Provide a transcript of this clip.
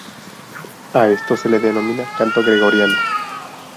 A esto se le denomina Canto Gregoriano.